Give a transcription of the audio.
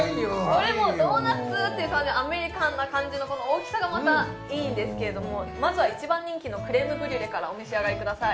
これもうドーナツっていう感じでアメリカンな感じのこの大きさがまたいいんですけれどもまずは一番人気のクレームブリュレからお召し上がりください